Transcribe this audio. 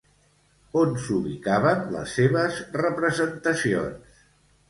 On s'ubicaven les seves representacions?